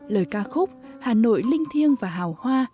lời ca khúc hà nội linh thiêng và hào hoa